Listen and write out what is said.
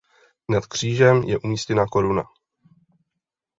Nad křížem je umístěna koruna.